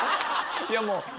いやもう。